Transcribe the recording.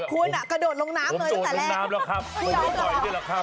คุณกระโดดลงน้ำเลยตั้งแต่แรกคุณหรอครับหนูลงห่อยด้วยละครับ